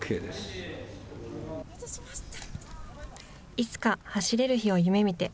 いつか走れる日を夢見て。